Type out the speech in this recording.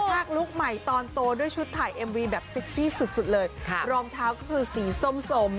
กระทากลูกใหม่ตอนโตด้วยชุดถ่ายเอ็มวีแบบสุดสุดเลยค่ะรอบเท้าก็คือสีส้มสม